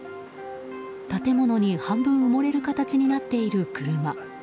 建物に半分埋もれる形になっている車。